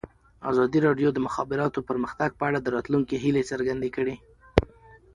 ازادي راډیو د د مخابراتو پرمختګ په اړه د راتلونکي هیلې څرګندې کړې.